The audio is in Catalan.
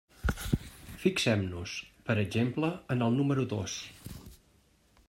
Fixem-nos, per exemple, en el número dos.